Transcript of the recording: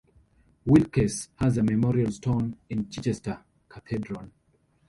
Weelkes has a memorial stone in Chichester Cathedral.